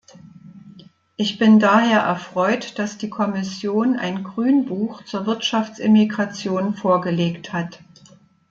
Ich bin daher erfreut, dass die Kommission ein Grünbuch zur Wirtschaftsimmigration vorgelegt hat.